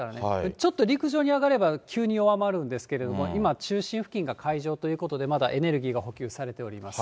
ちょっと陸上に上がれば、急に弱まるんですけど、今、中心付近が海上ということで、まだエネルギーが補給されております。